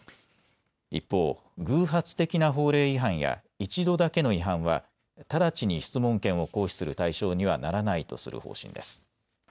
一方、偶発的な法令違反や１度だけの違反は直ちに質問権を行使する対象にはならないとする方針です。